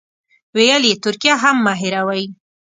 ویل یې ترکیه هم مه هېروئ.